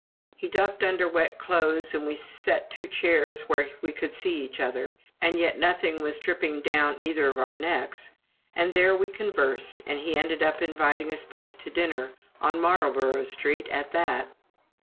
He ducked under wet clothes, and we set two chairs where we could see each other, and yet nothing was dripping down either of our necks; and there we conversed, and he ended by inviting us both to dinner on Marlborough Street, at that!